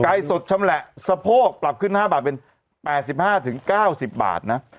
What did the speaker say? สดชำแหละสะโพกปรับขึ้น๕บาทเป็น๘๕๙๐บาทนะ